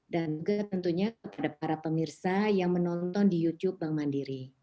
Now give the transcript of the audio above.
juga tentunya kepada para pemirsa yang menonton di youtube bank mandiri